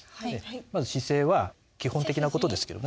まず姿勢は基本的な事ですけどね